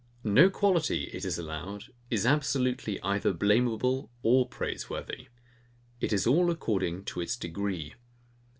No quality, it is allowed, is absolutely either blameable or praiseworthy. It is all according to its degree.